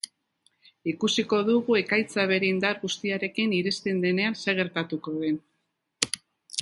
Ikusiko dugu ekaitza bere indar guztiarekin iristen denean zer gertatuko den.